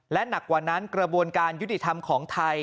และหนักกว่านั้นกระบวนการยุติธรรมของไทย